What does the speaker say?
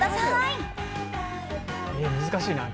難しいな。